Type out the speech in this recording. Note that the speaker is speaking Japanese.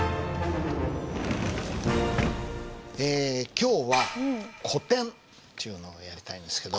今日は古典っちゅうのをやりたいんですけど。